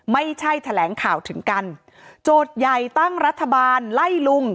ไม่ใช่แถลงข่าวถึงกันโจทย์ใหญ่ตั้งรัฐบาลไล่ลุง